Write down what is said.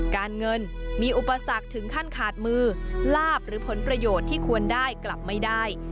การเงินมีอุปสรรคถึงขั้นขาดมือลาบหรือผลประโยชน์ที่ควรได้กลับไม่ได้